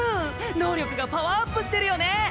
能力がパワーアップしてるよね！